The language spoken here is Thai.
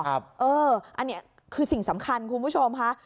อันนี้คือสิ่งสำคัญคุณผู้ชมค่ะ